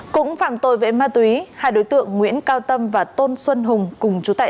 cũng phạm tội về ma túy hai đối tượng nguyễn cao tâm và tôn xuân hùng cùng chú tại